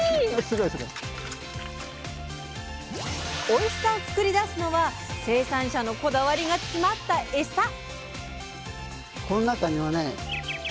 おいしさを作り出すのは生産者のこだわりが詰まったエサ！